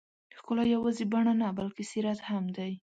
ښکلا یوازې بڼه نه، بلکې سیرت هم دی.